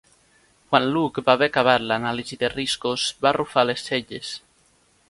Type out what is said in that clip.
Quan Luke va haver acabat l'anàlisi de riscos, va arrufar les celles.